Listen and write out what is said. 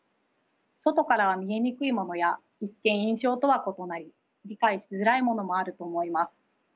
外からは見えにくいものや一見印象とは異なり理解しづらいものもあると思います。